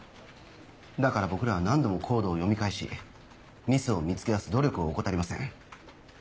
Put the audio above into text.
だから僕らは何度もコードを読み返しミスを見つけ出す努力を怠りません。